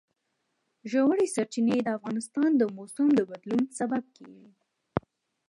ژورې سرچینې د افغانستان د موسم د بدلون سبب کېږي.